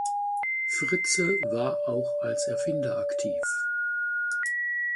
Fritze war auch als Erfinder aktiv.